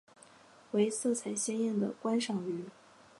为色彩鲜艳的观赏鱼。